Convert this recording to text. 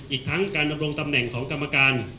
อีกทั้งการดำรงตำแหน่งของกรรมการ